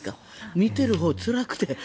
見てるほう、つらくて。